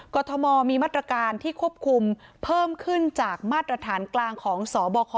กรทมมีมาตรการที่ควบคุมเพิ่มขึ้นจากมาตรฐานกลางของสบค